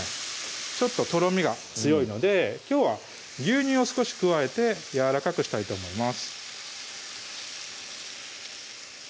ちょっととろみが強いのできょうは牛乳を少し加えてやわらかくしたいと思います